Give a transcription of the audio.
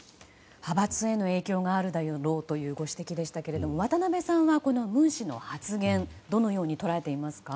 派閥への影響があるだろうというご指摘でしたが渡辺さんはこの文氏の発言をどのように捉えていますか。